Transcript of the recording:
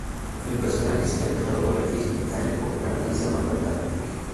El personaje es interpretado por la actriz británico-canadiense Amanda Tapping.